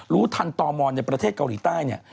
รู้ทันตมในประเทศเกาหลีใต้เนี่ย